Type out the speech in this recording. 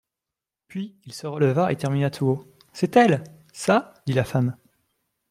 Puis il se releva et termina tout haut : C'est elle ! Ça ? dit la femme.